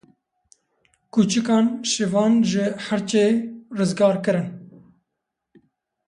Kûçikan şivan ji hirçê rizgar kirin.